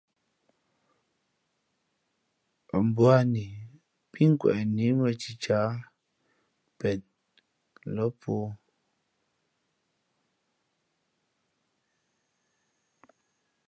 Ά mbūαni pí nkweꞌni mᾱ cicǎh pen lά pōō.